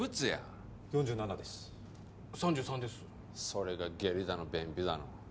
それが下痢だの便秘だの。